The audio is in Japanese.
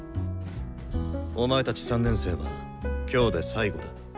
お前たち３年生は今日で最後だ。